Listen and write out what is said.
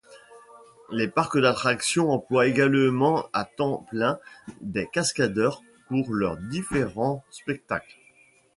Les parcs d'attractions emploient également à temps plein des cascadeurs pour leurs différents spectacles.